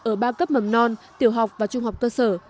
ở ba cấp mầm non tiểu học và trung học cơ sở